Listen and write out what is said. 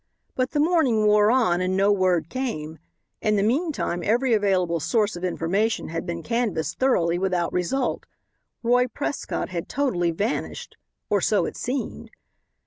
But the morning wore on, and no word came. In the meantime, every available source of information had been canvassed thoroughly without result. Roy Prescott had totally vanished; or so it seemed.